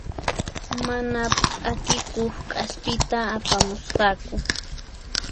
Mana p'akikuq k'aspita apamusqaku.